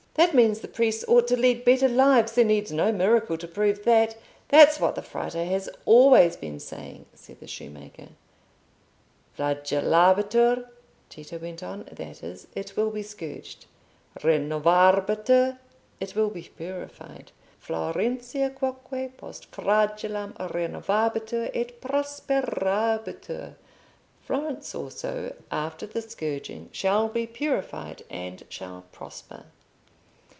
"That means, the priests ought to lead better lives; there needs no miracle to prove that. That's what the Frate has always been saying," said the shoemaker. "Flagellabitur," Tito went on. "That is, it will be scourged. Renovabitur: it will be purified. Florentia quoque post flagellam renovabitur et prosperabitur: Florence also, after the scourging, shall be purified and shall prosper."